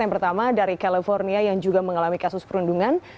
yang pertama dari california yang juga mengalami kasus perundungan